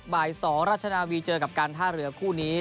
บ่าย๒ราชนาวีเจอกับการท่าเรือคู่นี้